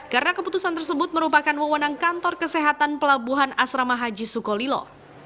karena keputusan tersebut merupakan wewanang kantor kesehatan pelabuhan asrama haji sukolilo